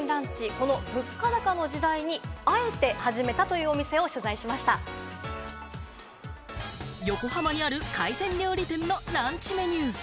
この物価高の時代にあえて始めた横浜にある海鮮料理店のランチメニュー。